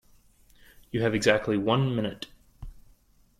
You have exactly one minute.